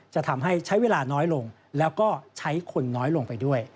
จะทำให้ใช้เวลาน้อยลงแล้วก็ใช้คนน้อยลงไปด้วย